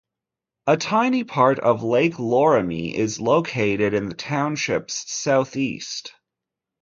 A tiny part of Lake Loramie is located in the township's southeast.